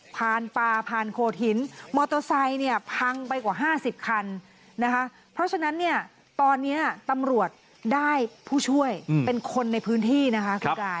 ผ่านป่าผ่านโขดหินมอเตอร์ไซค์เนี่ยพังไปกว่า๕๐คันนะคะเพราะฉะนั้นเนี่ยตอนนี้ตำรวจได้ผู้ช่วยเป็นคนในพื้นที่นะคะคุณกาย